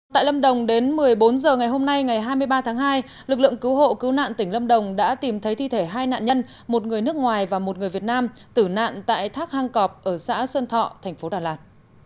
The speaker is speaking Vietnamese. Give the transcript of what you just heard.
tại lâm đồng đến một mươi bốn h ngày hôm nay ngày hai mươi ba tháng hai lực lượng cứu hộ cứu nạn tỉnh lâm đồng đã tìm thấy thi thể hai nạn nhân một người nước ngoài và một người việt nam tử nạn tại thác hang cọp ở xã xuân thọ thành phố đà lạt